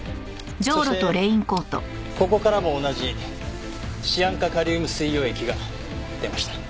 そしてここからも同じシアン化カリウム水溶液が出ました。